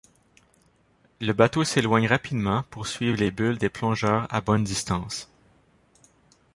Le bateau s'éloigne rapidement pour suivre les bulles des plongeurs à bonne distance.